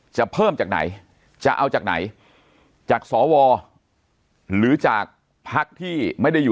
จะเพิ่มจากไหนจะเอาจากไหนจากสวหรือจากพักที่ไม่ได้อยู่